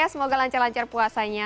semoga lancar lancar puasanya